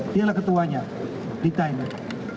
dia adalah ketuanya ditahan